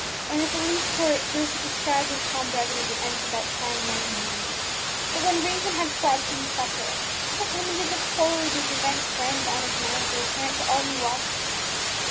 In the police court Bruce had described with calm brevity the events of that trying night and morning. But when reason had fled from the sufferer, what images of horror those events had branded on his mind was apparent to all who approached him.